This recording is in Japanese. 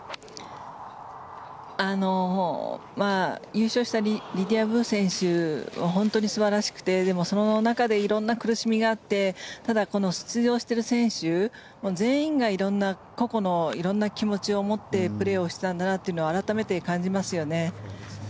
優勝したリリア・ブ選手は本当に素晴らしくてでも、その中で色々な苦しみがあってただ、出場している選手全員が個々の色んな気持ちを持ってプレーをしてたんだなと改めて感じますよね。